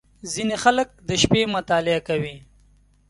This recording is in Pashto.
• ځینې خلک د شپې مطالعه کوي.